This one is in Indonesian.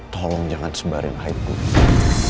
tolong jangan sebarin haib gue